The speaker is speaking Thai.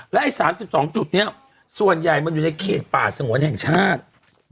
และไอ้๓๒จุดนี้ส่วนใหญ่มันอยู่ในเขตป่าสงวนแห่งชาติ